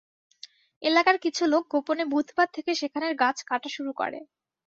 এলাকার কিছু লোক গোপনে বুধবার থেকে সেখানের গাছ কাটা শুরু করে।